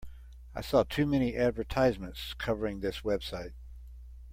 I saw too many advertisements covering this website.